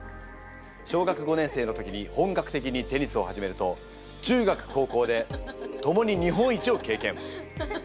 小学５年生の時に本格的にテニスを始めると中学高校でともに日本一を経験。